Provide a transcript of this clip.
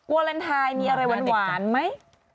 วาเลนไทยมีอะไรหวานไหม